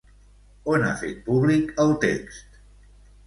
On ha fet públic el text?